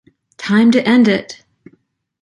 Time to end it!